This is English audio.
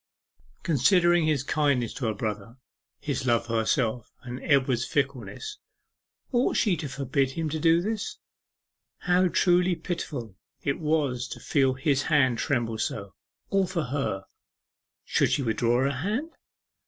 Considering his kindness to her brother, his love for herself, and Edward's fickleness, ought she to forbid him to do this? How truly pitiful it was to feel his hand tremble so all for her! Should she withdraw her hand?